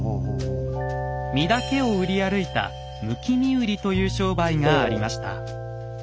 身だけを売り歩いた「むき身売り」という商売がありました。